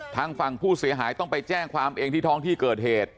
ทางฝั่งผู้เสียหายต้องไปแจ้งความเองที่ท้องที่เกิดเหตุ